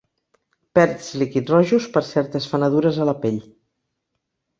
Perds líquids rojos per certes fenedures a la pell.